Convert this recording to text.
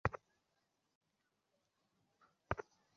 তবে তাঁর চিন্তা হচ্ছে তাঁকে জামিন দেওয়া হবে না, জেলেই দেবে।